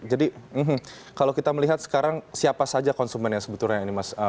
jadi kalau kita melihat sekarang siapa saja konsumen yang sebetulnya ini mas